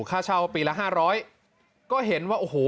ค่าเช่าปีละห้าร้อยก็เห็นว่าโอ้โห